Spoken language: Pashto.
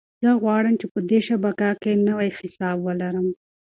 زه غواړم چې په دې شبکه کې نوی حساب ولرم.